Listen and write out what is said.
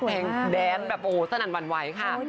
เพลงแดนแบบสนั่นวรรณไว้ค่ะ